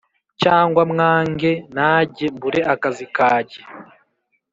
cyagwa mwange najye mbure akazi kajye